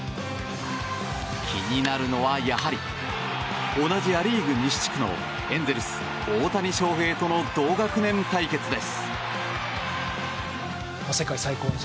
気になるのはやはり同じア・リーグ西地区のエンゼルス、大谷翔平との同学年対決です。